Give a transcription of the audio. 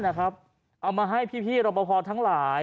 เอามาให้พี่รับประพอท์ทั้งหลาย